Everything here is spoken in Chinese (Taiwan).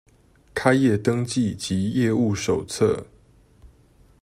開業登記及業務手冊